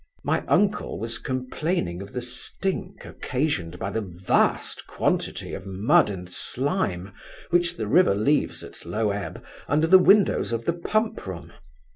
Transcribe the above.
My uncle was complaining of the stink, occasioned by the vast quantity of mud and slime which the river leaves at low ebb under the windows of the Pumproom.